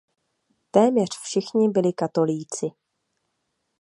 Téměř všichni byli katolíci.